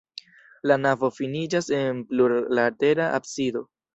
La navo finiĝas en plurlatera absido.